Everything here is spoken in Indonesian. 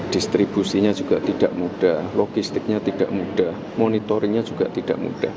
distribusinya juga tidak mudah logistiknya tidak mudah monitoringnya juga tidak mudah